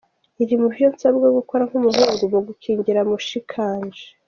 "Biri mu vyo nsabwa gukora nk'umuhungu mu gukingira mushikanje.